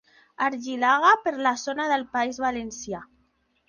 Argilaga per la zona del País Valencià.